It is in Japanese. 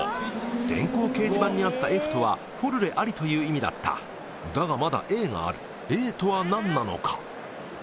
電光掲示板にあった「ｆ」とは「フォルレあり」という意味だっただがまだ「ａ」がある「ａ」とは何なのか？